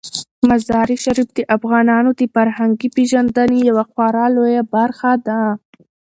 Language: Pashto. مزارشریف د افغانانو د فرهنګي پیژندنې یوه خورا لویه برخه ده.